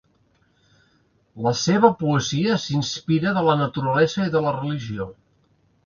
La seva poesia s'inspira de la naturalesa i de la religió.